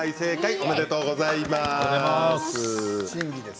おめでとうございます。